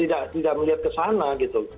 tidak melihat ke sana gitu